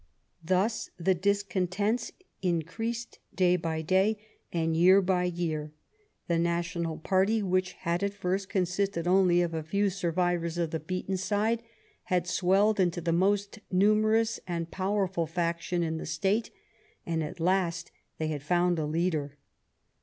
Thus the discontents increased day by day and year by year: the National party, which had at first consisted only of a few survivors of the beaten side, had swelled into the most numerous and powerful faction in the State; and at last they had found a leader.